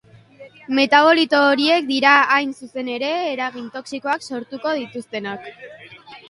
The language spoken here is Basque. Metabolito horiek dira hain zuzen ere, eragin toxikoak sortuko dituztenak.